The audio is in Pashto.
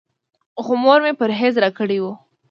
خو مور مې پرهېز راکړی و.